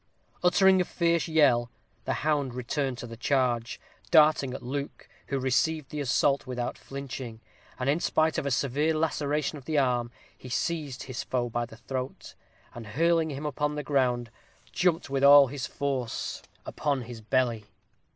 Uttering a fierce yell, the hound returned to the charge, darting at Luke, who received the assault without flinching; and in spite of a severe laceration of the arm, he seized his foe by the throat, and hurling him upon the ground, jumped with all his force upon his belly.